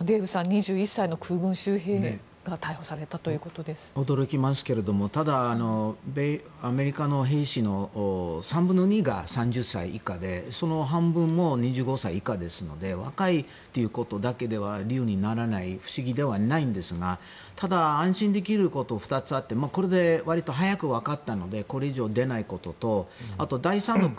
デーブさん２１歳の空軍州兵が驚きますけれどもただ、アメリカの兵士の３分の２が３０歳以下でその半分も２５歳以下ですので若いということだけでは理由にならない不思議ではないんですがただ、安心できることは２つあってこれで割と早く分かったのでこれ以上出ないこととあとは第３の国